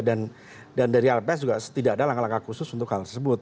dan dari alpes juga tidak ada langkah langkah khusus untuk hal tersebut